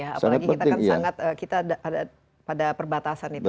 apalagi kita kan sangat kita ada pada perbatasan itu